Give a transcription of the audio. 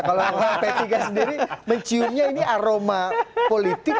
kalau p tiga sendiri menciumnya ini aroma politik